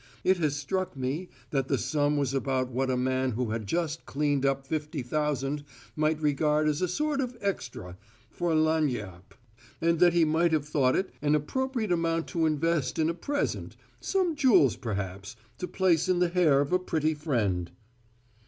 It has struck me that the sum was about what a man who had just cleaned up fifty thousand might regard as a sort of `extra' `for lagniappe' and that he might have thought it an appropriate amount to invest in a present some jewels perhaps to place in the hair of a pretty friend!"